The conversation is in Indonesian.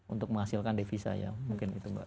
untuk menghasilkan devisa ya mungkin itu mbak